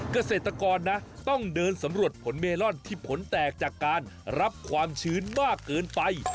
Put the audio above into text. เกษตรกรนะต้องเดินสำรวจผลเมลอนที่ผลแตกจากการรับความชื้นมากเกินไป